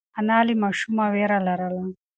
انا له ماشومه وېره لرله.